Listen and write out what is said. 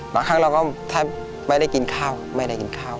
บางครั้งเราก็แทบไม่ได้กินข้าวไม่ได้กินข้าว